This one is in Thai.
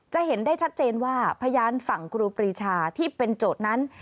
จะเห็นได้ชัดเจนว่าพยานฝั่งครูปรีชาที่เป็นโจทย์นั้น